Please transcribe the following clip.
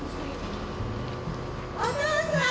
お父さん！